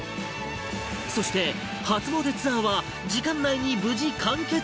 そして初詣ツアーは時間内に無事完結できるのか？